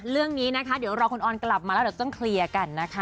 เรื่องนี้เดี๋ยวรอคนออนกลับมาแล้วหรือเพิ่งคลียร์กันนะคะ